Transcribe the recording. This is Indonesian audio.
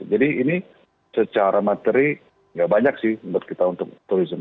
jadi ini secara materi tidak banyak sih menurut kita untuk tourism